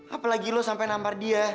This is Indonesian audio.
apalagi lo sampai nampar dia